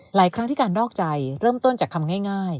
ครั้งที่การนอกใจเริ่มต้นจากคำง่าย